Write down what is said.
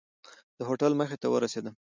د هوټل مخې ته ورسېدم.